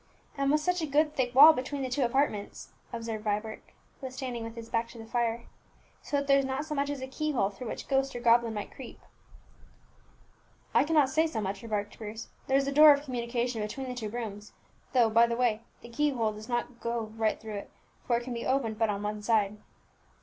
"And with such a good thick wall between the two apartments," observed Vibert, who was standing with his back to the fire, "so that there is not so much as a key hole through which ghost or goblin might creep." "I cannot say so much," remarked Bruce; "there is a door of communication between the two rooms, though, by the way, the key hole does not go right through it, for it can be opened but on one side."